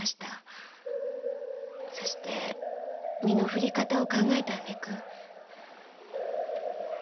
そして身の振り方を考えたあげく。